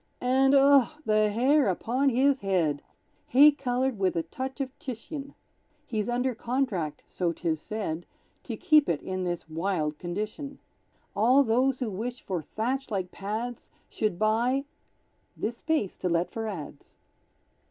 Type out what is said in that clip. And oh! the hair upon his head! Hay coloured, with a touch of Titian! He's under contract, so 'tis said, To keep it in this wild condition; All those who wish for thatch like Pad's Should buy (This space To Let for Ads.)